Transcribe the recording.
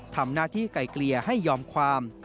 ทำหน้าที่ไกลเกลี่ยให้ยอมความ